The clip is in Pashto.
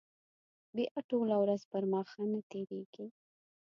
بیا ټوله ورځ پر ما ښه نه تېرېږي.